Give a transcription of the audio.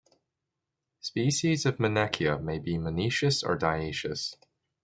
Species of "Meineckia" may be monoecious or dioecious.